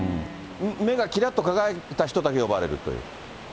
目がきらっと輝いた人だけが呼ばれるという？